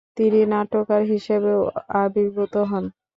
তিনি নাট্যকার হিসেবেও আবির্ভূত হন।